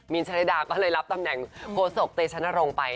มีนชะลิดาก็เลยรับตำแหน่งโฆษกเตชนรงค์ไป